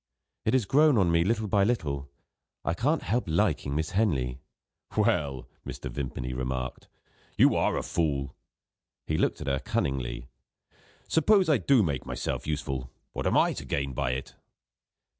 It has grown on me, little by little; I can't help liking Miss Henley." "Well," Mr. Vimpany remarked, "you are a fool!" He looked at her cunningly. "Suppose I do make myself useful, what am I to gain by it?"